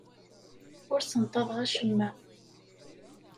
Ur ssenṭaḍeɣ acemma.